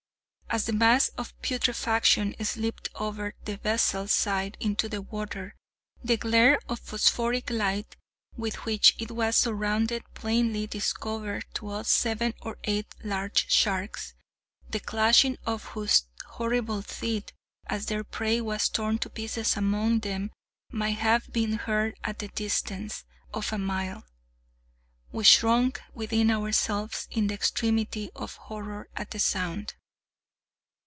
As the mass of putrefaction slipped over the vessel's side into the water, the glare of phosphoric light with which it was surrounded plainly discovered to us seven or eight large sharks, the clashing of whose horrible teeth, as their prey was torn to pieces among them, might have been heard at the distance of a mile. We shrunk within ourselves in the extremity of horror at the sound.